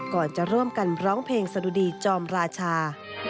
ก่อนจะร่วมกันร้องเพลงสะดุดีจอมราชา